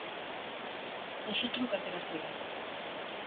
Musutruk atera zaigu.